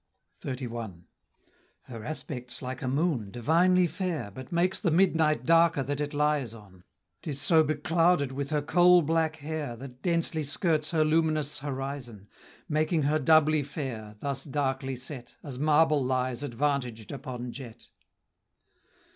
XXXI. Her aspect's like a moon, divinely fair, But makes the midnight darker that it lies on; 'Tis so beclouded with her coal black hair That densely skirts her luminous horizon, Making her doubly fair, thus darkly set, As marble lies advantaged upon jet.